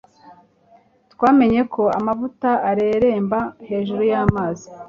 Twamenye ko amavuta areremba hejuru yamazi